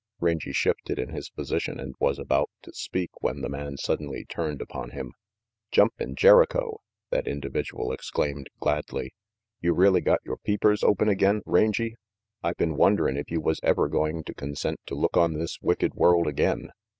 Rangy shifted in his position and was about to speak, when the man suddenly turned upon him. "Jumpin* Jericho!" that individual exclaimed gladly. "You really got yore peepers open again, Rangy? I been wonderin' if you was ever going to consent to look on this wicked world again.